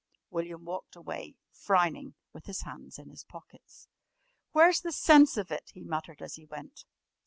William walked away, frowning, with his hands in his pockets. "Where's the sense of it?" he muttered as he went.